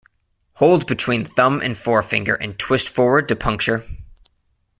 Hold between thumb and forefinger and twist forward to puncture.